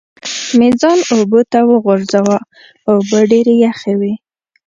مې ځان اوبو ته وغورځاوه، اوبه ډېرې یخې وې.